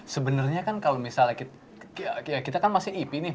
sebenernya kan kalo misalnya kita kan masih ep nih